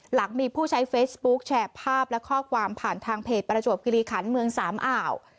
หลังมีผู้ใช้เฟซบุ๊คแชร์ภาพและข้อความผ่านทางเพจประจวบกิริขันเมืองสามอ่าว